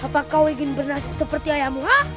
apakah kau ingin bernasib seperti ayahmu